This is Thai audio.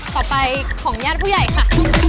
ต่อไปของญาติผู้ใหญ่ค่ะ